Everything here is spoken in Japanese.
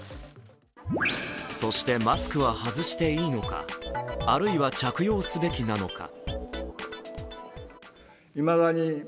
そしてマスクは外していいのか、あるいは着用すべきなのか。